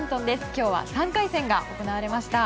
今日は３回戦が行われました。